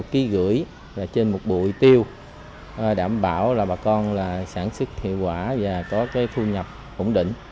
một năm kg là trên một bụi tiêu đảm bảo là bà con sản xuất hiệu quả và có cái thu nhập ổn định